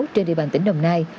trên địa bàn tỉnh đồng nai